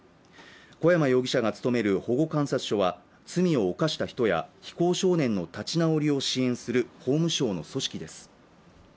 小山容疑者が勤める保護観察所は罪を犯した人や非行少年の立ち直りを支援する法務省の組織です